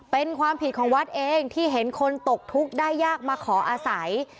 เป็นความผิดของวัดเองที่เห็นคนตกทุกข์ได้ยากมาขออาศัย